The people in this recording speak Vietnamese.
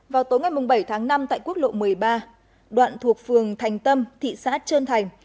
vào tối ngày bảy tháng năm tại quốc lộ một mươi ba đoạn thuộc phường thành tâm thị xã trơn thành